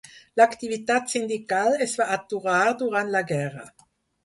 L'activitat sindical es va aturar durant la guerra.